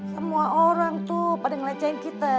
semua orang tuh pada ngelecehin kita